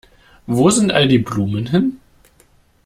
Wo sind all die Blumen hin?